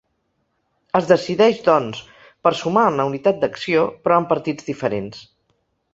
Es decideix, doncs, per ‘sumar en la unitat d’acció’ però amb partits diferents.